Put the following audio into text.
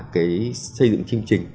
cái xây dựng chương trình